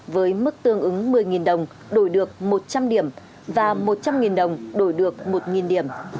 với mức tương ứng một mươi đồng đổi được một trăm linh điểm và một trăm linh đồng đổi được một điểm